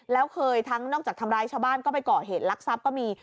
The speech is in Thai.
แล้วเคยทั้งนอกจากทำร้ายชาวบ้านก็ไปก่อเหตุลักษัพก็มี